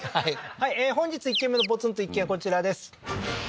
はい本日１軒目のポツンと一軒家こちらです